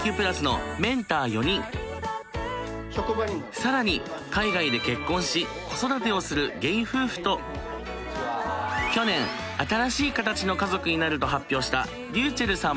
更に海外で結婚し子育てをするゲイ夫夫と去年新しい形の家族になると発表したｒｙｕｃｈｅｌｌさんも登場。